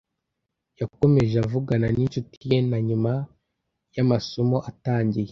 yakomeje avugana n'inshuti ye na nyuma y'amasomo atangiye